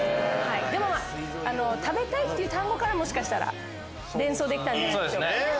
でも「食べたい」っていう単語から連想できたんじゃないでしょうか。